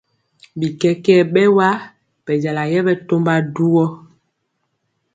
Bikɛkɛɛ bɛwa bɛjala yɛ ɓɛtɔmba duwo.